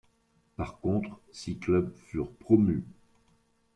Par contre, six clubs furent promus.